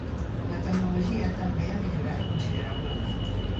La tecnologia també ha millorat considerablement.